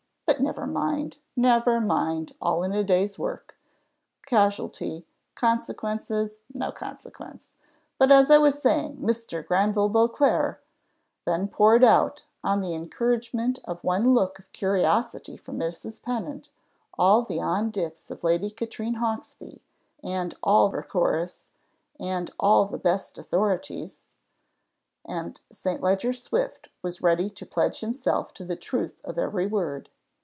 but never mind, never mind, all in the day's work. Casualty contingencies no consequence. But as I was saying, Mr. Granville Beauclerc " Then poured out, on the encouragement of one look of curiosity from Mrs. Pennant, all the on dits of Lady Katrine Hawksby, and all her chorus, and all the best authorities; and St. Leger Swift was ready to pledge himself to the truth of every word.